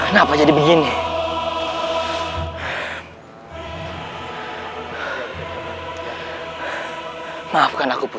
terbatas telur unfortunately